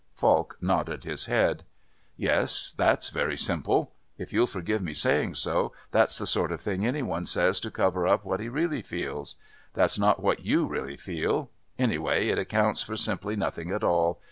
Falk nodded his head. "Yes, that's very simple. If you'll forgive my saying so, that's the sort of thing any one says to cover up what he really feels. That's not what you really feel. Anyway it accounts for simply nothing at all.